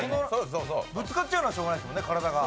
ぶつかっちゃうのはしょうがないですもんね、体が。